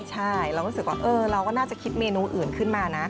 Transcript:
ใช่เรารู้สึกว่าเราก็น่าจะคิดเมนูอื่นขึ้นมานะ